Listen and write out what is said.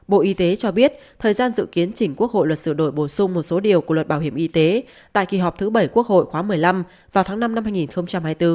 bộ y tế cho biết thời gian dự kiến chỉnh quốc hội luật sửa đổi bổ sung một số điều của luật bảo hiểm y tế tại kỳ họp thứ bảy quốc hội khóa một mươi năm vào tháng năm năm hai nghìn hai mươi bốn